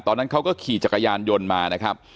ตอนนั้นเขาก็ขี่จักรยานยนต์มานะครับ